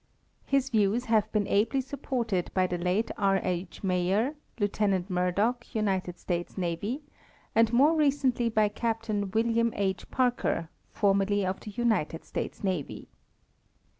His views have been ably supported by the late R. H. Major, Lieutenant Murdoch, United States Navy, and more recently by Captain William H. Parker, formerly of the United States Navy.